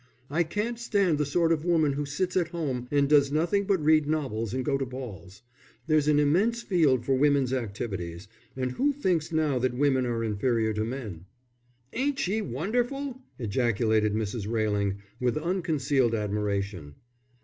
"I can't stand the sort of woman who sits at home and does nothing but read novels and go to balls. There's an immense field for women's activities. And who thinks now that women are inferior to men?" "Ain't she wonderful!" ejaculated Mrs. Railing, with unconcealed admiration.